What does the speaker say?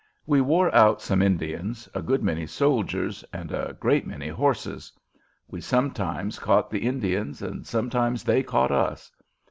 We wore out some Indians, a good many soldiers, and a great many horses. We sometimes caught the Indians, and sometimes they caught us.